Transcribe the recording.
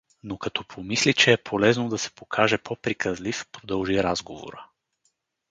Но като помисли, че е полезно да се покаже по-приказлив, продължи разговора.